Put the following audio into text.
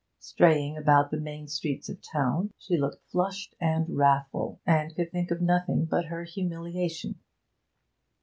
Straying about the main streets of the town, she looked flushed and wrathful, and could think of nothing but her humiliation.